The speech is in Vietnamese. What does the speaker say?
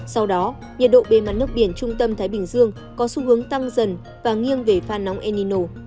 sau đó nhiệt độ bề mặt nước biển trung tâm thái bình dương có xu hướng tăng dần và nghiêng về pha nóng enino